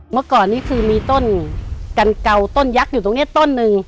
เมื่อก่อนนี้คือมีต้นกันเก่าต้นยักษ์อยู่ตรงนี้ต้นหนึ่ง